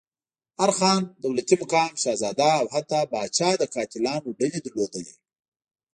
هر خان، دولتي مقام، شهزاده او حتی پاچا د قاتلانو ډلې درلودلې.